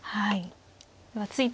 はい。